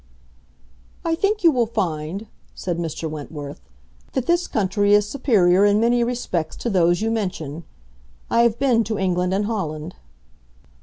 "I think you will find," said Mr. Wentworth, "that this country is superior in many respects to those you mention. I have been to England and Holland."